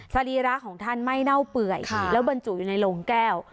สรีระของท่านไม่เน่าเปื่อยแล้วบรรจุอยู่ในโรงแก้ว